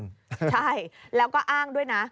ใช่แล้วก็อ้างด้วยนะ